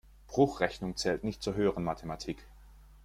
Bruchrechnung zählt nicht zur höheren Mathematik.